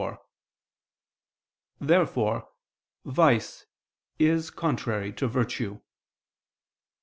Therefore vice is contrary to virtue.